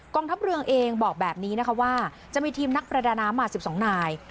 องทัพเรืองเองบอกแบบนี้นะคะว่าจะมีทีมนักประดาน้ำมา๑๒นาย